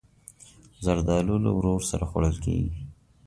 زردالو له ورور سره خوړل کېږي.